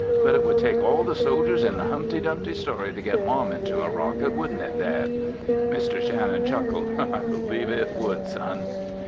"But it would take all the soldiers in the Humpty Dumpty story to get Mom into a rocket, wouldn't it, Dad?" Mr. Shannon chuckled. "I believe it would, Son."